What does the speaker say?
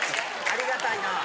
・ありがたいな